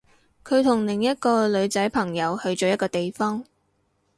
佢同另一個女仔朋友去咗一個地方